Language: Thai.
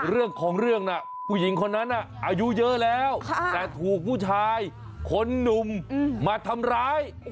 เรื่องของเรื่องน่ะผู้หญิงคนนั้นอายุเยอะแล้วแต่ถูกผู้ชายคนหนุ่มมาทำร้าย